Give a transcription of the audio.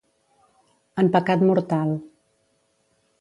En pecat mortal.